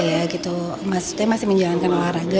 iya gitu maksudnya masih menjalankan olahraga